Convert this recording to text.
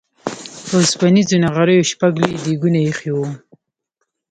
په اوسپنيزو نغريو شپږ لوی ديګونه اېښي وو.